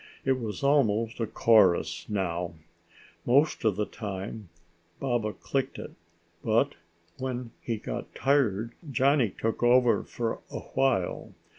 It was almost a chorus now. Most of the time Baba clicked it, but when he got tired Johnny took over for a while.